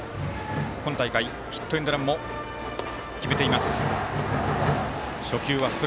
今大会ヒットエンドランも決めています。